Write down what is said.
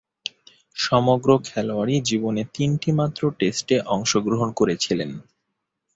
সমগ্র খেলোয়াড়ী জীবনে তিনটিমাত্র টেস্টে অংশগ্রহণ করেছিলেন।